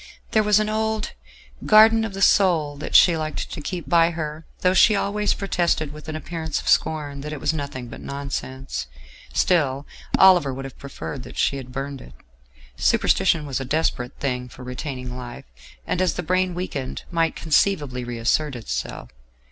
There was an old "Garden of the Soul" that she liked to keep by her, though she always protested with an appearance of scorn that it was nothing but nonsense. Still, Oliver would have preferred that she had burned it: superstition was a desperate thing for retaining life, and, as the brain weakened, might conceivably reassert itself.